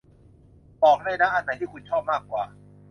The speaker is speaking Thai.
บอกได้นะ อันไหนที่คุณชอบมากกว่า